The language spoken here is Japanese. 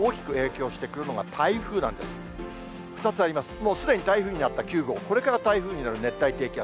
もうすでに台風になった９号、これから台風になる熱帯低気圧。